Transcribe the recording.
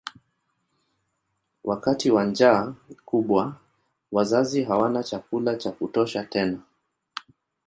Wakati wa njaa kubwa wazazi hawana chakula cha kutosha tena.